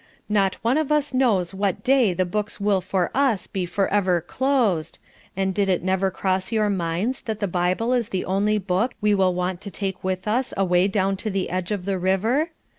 Not one of us knows what day the books will for us be for ever closed; and did it never cross your minds that the Bible is the only book we will want to take with us away down to the edge of the river?